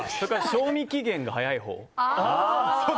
賞味期限が早いほう？